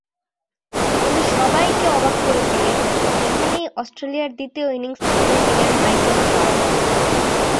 কিন্তু সবাইকে অবাক করে এখানেই অস্ট্রেলিয়ার দ্বিতীয় ইনিংস থামিয়ে দিলেন মাইকেল ক্লার্ক।